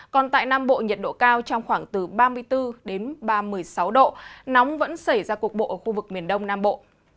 còn tại nam bộ nhiệt độ cao trong khoảng từ ba mươi bốn đến ba mươi sáu độ nóng vẫn xảy ra cuộc bộ ở khu vực miền đông nam bộ